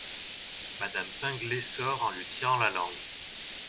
Madame Pinglet sort en lui tirant la langue.